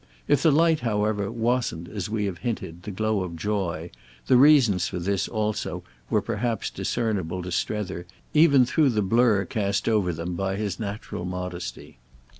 If the light however wasn't, as we have hinted, the glow of joy, the reasons for this also were perhaps discernible to Strether even through the blur cast over them by his natural modesty.